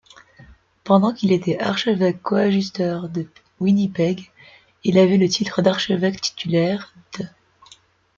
Pendant qu'il était archevêque coadjuteur de Winnipeg, il avait le titre d'archevêque titulaire d'.